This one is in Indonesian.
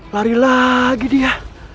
lari lagi dia